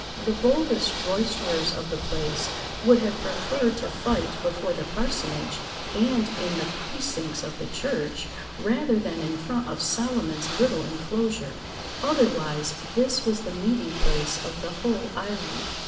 The boldest roisterers of the place would have preferred to fight before the parsonage and in the precincts of the church rather than in front of Solomon's little enclosure. Otherwise, this was the meeting place of the whole island.